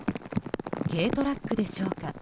軽トラックでしょうか。